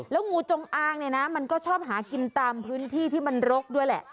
แล้วงูจงอางเนี่ยนะมันก็ชอบหากินตามพื้นที่ที่มันรกด้วยแหละ